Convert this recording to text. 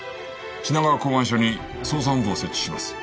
品川港湾署に捜査本部を設置します。